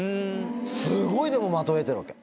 すごいでも的を得てるわけ。